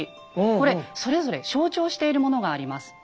これそれぞれ象徴しているものがあります。